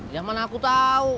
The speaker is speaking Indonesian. ya mana aku tau